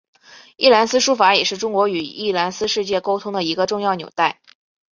伊斯兰书法也是中国与伊斯兰世界沟通的一个重要纽带。